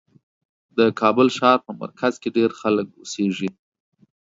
د کابل ښار په مرکز کې ډېر خلک اوسېږي.